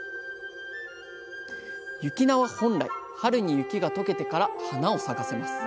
雪菜は本来春に雪がとけてから花を咲かせます。